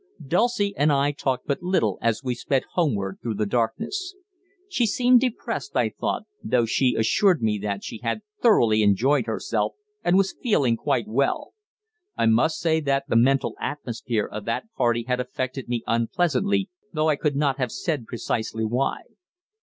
Dulcie and I talked but little as we sped homeward through the darkness. She seemed depressed, I thought, though she assured me that she had thoroughly enjoyed herself and was feeling quite well. I must say that the "mental atmosphere" of that party had affected me unpleasantly, though I could not have said precisely why.